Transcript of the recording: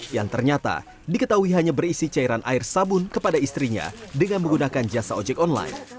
yang ternyata diketahui hanya berisi cairan air sabun kepada istrinya dengan menggunakan jasa ojek online